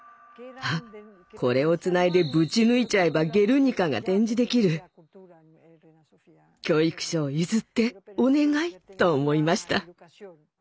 あっこれをつないでぶち抜いちゃえば「ゲルニカ」が展示できる。と思いました。